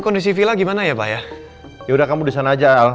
kondisi villa gimana ya bahaya yaudah kamu di sana aja temen andin ya oh ya